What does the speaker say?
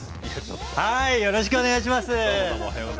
よろしくお願いします。